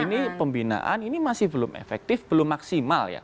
ini pembinaan ini masih belum efektif belum maksimal ya